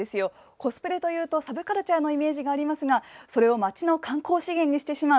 コスプレというとサブカルチャーのイメージがありますがそれを町の観光資源にまでしてしまう。